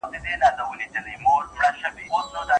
آیا د سترګو لید تر غوږونو اورېدلو حساس دی؟